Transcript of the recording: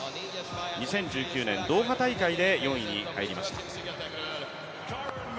２０１９年ドーハ大会で４位に入りました。